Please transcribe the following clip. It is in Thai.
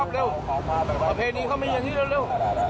เร็วครับเร็วประเพณีเข้ามาเย็นที่เร็ว